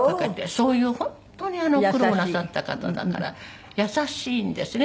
そういう本当に苦労をなさった方だから優しいんですね。